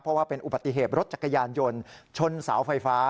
เพราะว่าเป็นอุบัติเหตุรถจักรยานยนต์ชนเสาไฟฟ้า